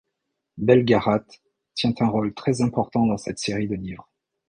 Belgarath tient un rôle très important dans cette série de livres.